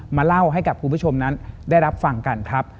มาเล่าให้กับคุณผู้ชมนั้นได้รับฟังกันครับ